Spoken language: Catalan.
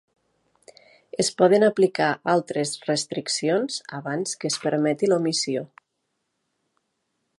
Es poden aplicar altres restriccions abans que es permeti l'omissió.